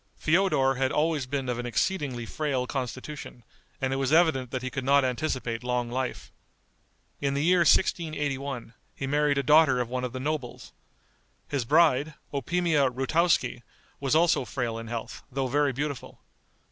Feodor had always been of an exceedingly frail constitution, and it was evident that he could not anticipate long life. In the year 1681 he married a daughter of one of the nobles. His bride, Opimia Routoski, was also frail in health, though very beautiful.